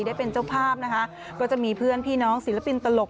ได้เป็นเจ้าภาพนะคะก็จะมีเพื่อนพี่น้องศิลปินตลก